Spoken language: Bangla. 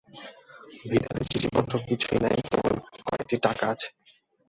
ভিতরে চিঠিপত্র কিছুই নাই, কেবলই কয়েকটি টাকা আছে।